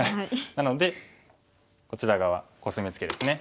なのでこちら側コスミツケですね。